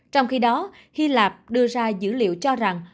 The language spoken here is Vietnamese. trong khi đó hy lạp đưa ra dữ liệu cho rằng